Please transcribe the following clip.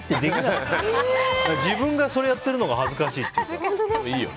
自分がそれやってるのが恥ずかしいというか。